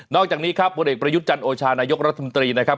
อกจากนี้ครับผลเอกประยุทธ์จันทร์โอชานายกรัฐมนตรีนะครับ